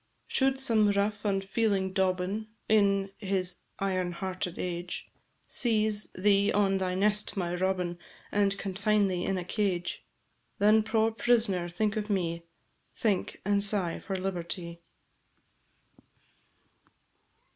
Should some rough, unfeeling dobbin, In this iron hearted age, Seize thee on thy nest, my Robin, And confine thee in a cage, Then, poor prisoner! think of me Think, and sigh for liberty.